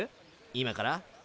今から？